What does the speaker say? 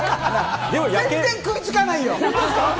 全然食いつかないよ！